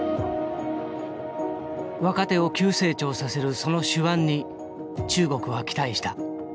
若手を急成長させるその手腕に中国は期待した。